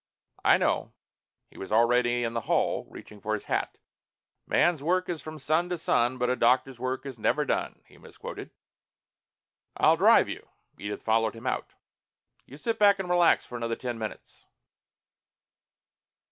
"I know." He was already in the hall, reaching for his hat. "Man's work is from sun to sun, but a doctor's work is never done," he misquoted. "I'll drive you." Edith followed him out. "You sit back and relax for another ten minutes...."